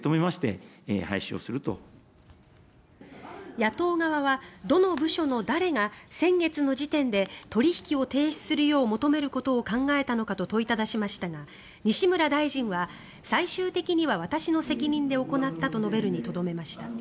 野党側は、どの部署の誰が先月の時点で取引を停止することを求めることを考えたのかと問いただしましたが西村大臣は最終的には私の責任で行ったと述べるにとどめました。